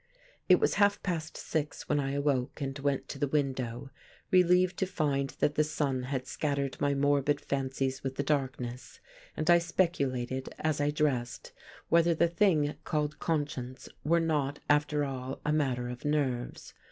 It was half past six when I awoke and went to the window, relieved to find that the sun had scattered my morbid fancies with the darkness; and I speculated, as I dressed, whether the thing called conscience were not, after all, a matter of nerves.